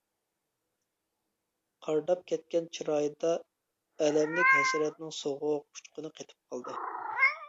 قارىداپ كەتكەن چىرايىدا ئەلەملىك ھەسرەتنىڭ سوغۇق ئۇچقۇنى قېتىپ قالدى.